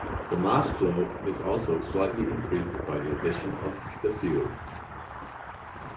The mass flow is also slightly increased by the addition of the fuel.